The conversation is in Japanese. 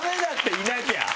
いなきゃ。